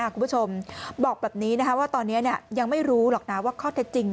คุณผู้ชมบอกแบบนี้ว่าตอนนี้ยังไม่รู้หรอกนะว่าข้อเท็จจริง